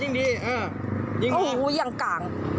อือโห้ยอย่างกาง